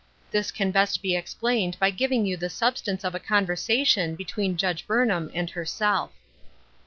Thev can best be explained by giving you the sub stance of a conversation between Judge Burn ham and herself.